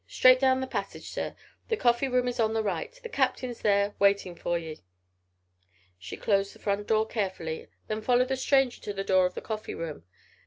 Straight down the passage, zir. The coffee room is on the right. The Captain's there, waiting for ye." She closed the front door carefully, then followed the stranger to the door of the coffee room.